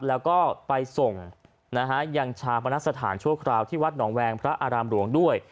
แล้วก็ไปส่งนะฮะยังชาปนสถานชั่วคราวที่วัดหนองแวงพระอารามหลวงด้วย